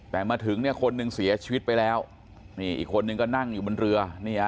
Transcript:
แต่มาถึงเนี่ยคนหนึ่งเสียชีวิตไปแล้วนี่อีกคนนึงก็นั่งอยู่บนเรือ